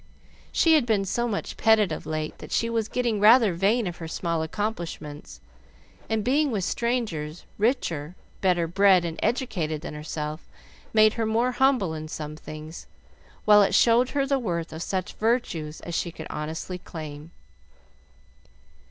She had been so much petted of late, that she was getting rather vain of her small accomplishments, and being with strangers richer, better bred and educated than herself, made her more humble in some things, while it showed her the worth of such virtues as she could honestly claim.